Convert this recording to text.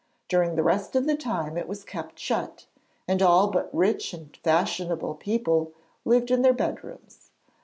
During the rest of the time it was kept shut, and all but rich and fashionable people lived in their bedrooms.